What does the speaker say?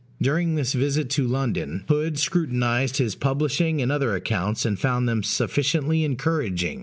During this visit to London, Hood scrutinized his publishing and other accounts, and found them sufficiently encouraging.